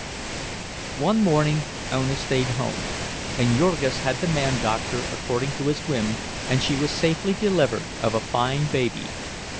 One morning Ona stayed home, and Jurgis had the man doctor, according to his whim, and she was safely delivered of a fine baby.